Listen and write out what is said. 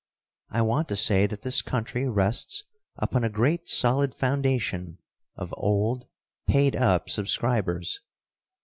] I want to say that this country rests upon a great, solid foundation of old, paid up subscribers.